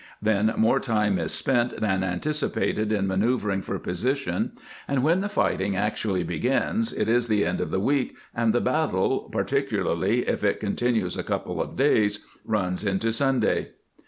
Then more time is spent than anticipated in manceuvering for position, and when the fighting actually begins it is the end of the week, and the battle, particularly if it continues a couple of days, runs into Sunday."